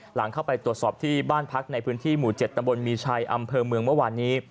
หลังเข้าไปตรวจสอบที่บ้านพักในพื้นที่หมู่๗ตำบลมีชัยอำเภอเมืองเมื่อวานนี้